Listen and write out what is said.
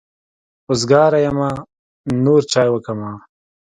وزګاره يمه نور چای وکمه.